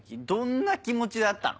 どんな気持ちだったの？